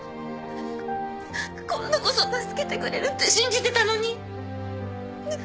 今度こそ助けてくれるって信じてたのに。